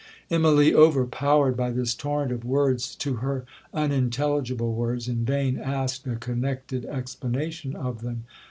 'Immalee, overpowered by this torrent of words, to her unintelligible words, in vain asked a connected explanation of them.